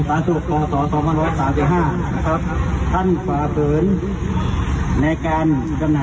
พี่ถ่ายวันนั้นนะพี่ปิดมาเดือนนึงแล้วไม่เคยเลี่ยวยาพี่จะมารัย